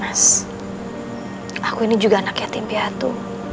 mas aku ini juga anak yatim piatu